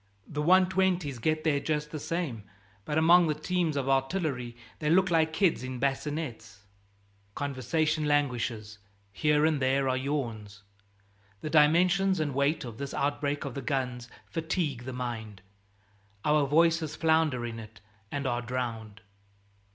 The 120's get there just the same, but among the teams of artillery they look like kids in bassinettes." Conversation languishes; here and there are yawns. The dimensions and weight of this outbreak of the guns fatigue the mind. Our voices flounder in it and are drowned.